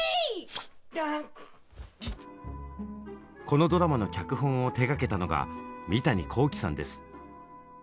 このドラマの脚本を手がけたのが三谷幸喜さんです。